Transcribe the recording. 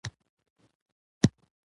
ارزان پېزار راته وښايه